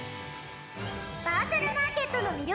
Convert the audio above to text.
バーチャルマーケットの魅力